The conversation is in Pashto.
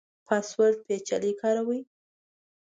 پاسورډ پیچلی کاروئ؟